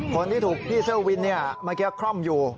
คนที่ถูกที่เสื้อวินมันก็คล่อมอยู่